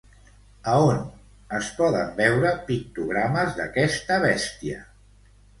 A on es poden veure pictogrames d'aquesta bèstia?